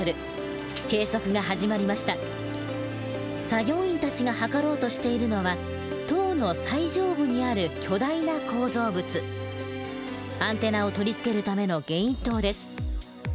作業員たちが測ろうとしているのは塔の最上部にある巨大な構造物アンテナを取り付けるためのゲイン塔です。